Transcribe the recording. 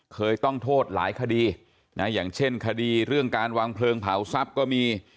เคยต้องโทษหลายคดีนะอย่างเช่นคดีเรื่องการวางเพลิงเผาทรัพย์ก็มี